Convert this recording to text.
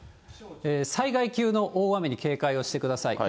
災害級の大雨に警戒をしてください。